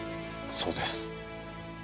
そうです。